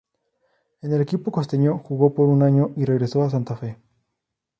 En el equipo costeño, jugó por un año y regresó a Santa Fe.